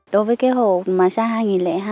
đối với cái hồ massage hai nghìn hai